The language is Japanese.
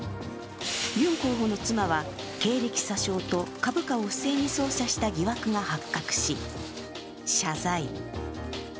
ユン候補の妻は経歴詐称と株価を不正に操作した疑惑が発覚し謝罪。